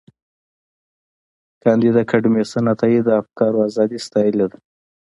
کانديد اکاډميسن عطایي د افکارو ازادي ستایلې ده.